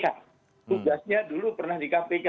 tugasnya dulu pernah di kpk